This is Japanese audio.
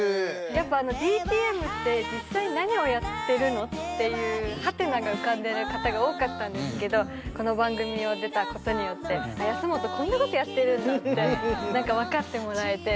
やっぱ「ＤＴＭって実際何をやってるの？」っていうハテナが浮かんでる方が多かったんですけどこの番組に出たことによっていやよかったよかった。